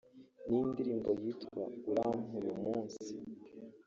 ni indirimbo yitwa ’Urampa uyu munsi’